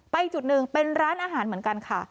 จุดหนึ่งเป็นร้านอาหารเหมือนกันค่ะ